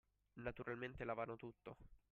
Naturalmente lavano tutto.